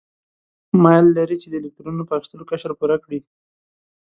میل لري چې د الکترونو په اخیستلو قشر پوره کړي.